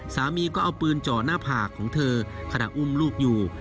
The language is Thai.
สามีก็เอาปืนจ่อหน้าผากของเธอขณะอุ้มลูกอยู่